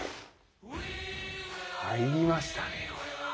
入りましたね。